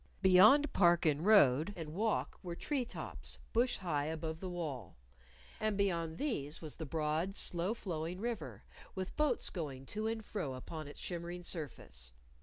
Beyond park and road and walk were tree tops, bush high above the wall. And beyond these was the broad, slow flowing river, with boats going to and fro upon its shimmering surface.